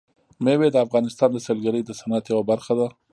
مېوې د افغانستان د سیلګرۍ د صنعت یوه برخه ده.